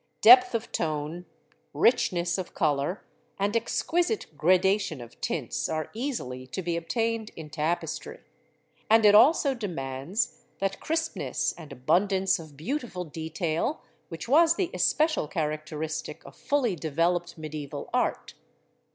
Depth of tone, richness of colour, and exquisite gradation of tints are easily to be obtained in Tapestry; and it also demands that crispness and abundance of beautiful detail which was the especial characteristic of fully developed Mediæval Art.